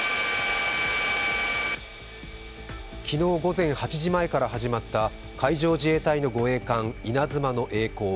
昨日午前８時前から始まった海上自衛隊の護衛艦「いなづま」のえい航。